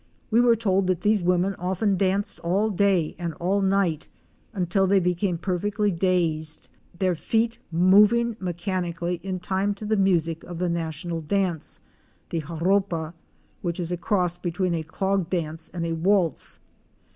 We were told that these women often danced all day and all night, until they became perfectly dazed, their feet moving mechanically in time to the music of the national dance — the joropa, which is a cross between a clog dance and a waltz.